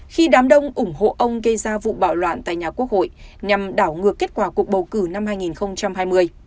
khi đám đông ủng hộ ông gây ra vụ bạo loạn tại nhà quốc hội nhằm đảo ngược kết quả cuộc bầu cử năm hai nghìn hai mươi